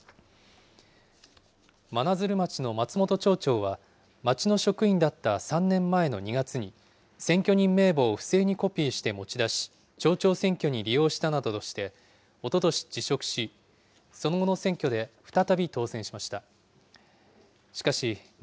真鶴町の松本町長は、町の職員だった３年前の２月に、選挙人名簿を不正にコピーして持ち出し、町長選挙に利用したなどとして、おととし辞職し、その後の選挙で再び当選しました。